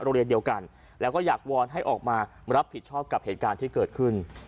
โรงเรียนเดียวกันแล้วก็อยากวอนให้ออกมารับผิดชอบกับเหตุการณ์ที่เกิดขึ้น